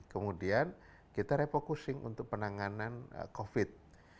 kemudian kita refocusing untuk penanganan covid